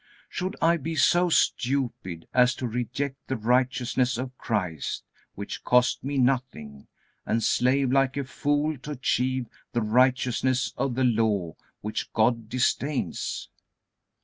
Should I be so stupid as to reject the righteousness of Christ which cost me nothing, and slave like a fool to achieve the righteousness of the Law which God disdains?